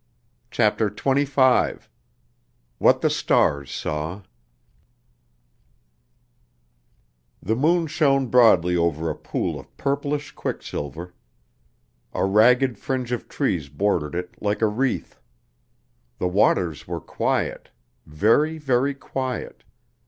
CHAPTER XXV What the Stars Saw The moon shone broadly over a pool of purplish quicksilver. A ragged fringe of trees bordered it like a wreath. The waters were quiet very, very quiet.